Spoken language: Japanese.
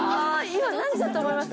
今何時だと思います？